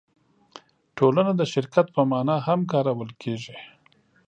ټولنه د شرکت په مانا هم کارول کېږي.